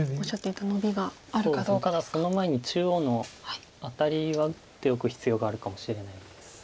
ただその前に中央のアタリは打っておく必要があるかもしれないです。